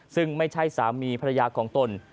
ซึ่งไม่ใช่สามีภรรยาของตน